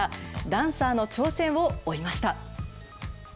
ダンサーの挑戦を追いました。